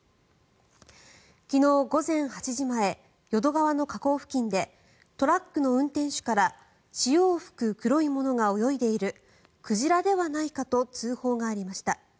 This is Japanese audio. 昨日午前８時前淀川の河口付近でトラックの運転手から潮を吹く黒いものが泳いでいる鯨ではないかと通報がありました。